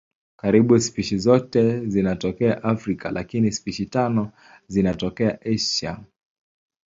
Karibu spishi zote zinatokea Afrika lakini spishi tano zinatokea Asia.